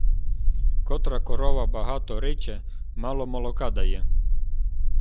Котра корова богато риче, мало молока дає.